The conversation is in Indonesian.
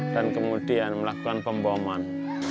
dan kemudian melakukan pemboman